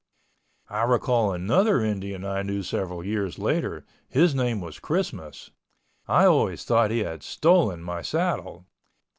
I recall another Indian I knew several years later, his name was Christmas. I always thought that he had stolen my saddle.